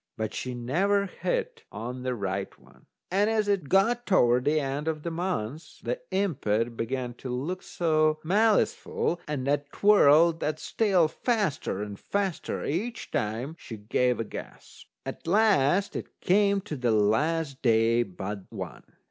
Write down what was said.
But she never hit on the right one. And as it got toward the end of the month, the impet began to look so maliceful, and that twirled that's tail faster and faster each time she gave a guess. At last it came to the last day but one.